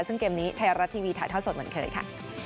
ซึ่งเกมนี้ไทยรัฐทีวีถ่ายทอดสดเหมือนเคยค่ะ